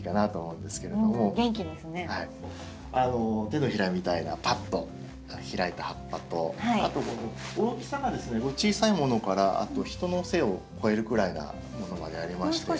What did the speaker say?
手のひらみたいなパッと開いた葉っぱとあと大きさがですね小さいものから人の背を越えるぐらいなものまでありまして。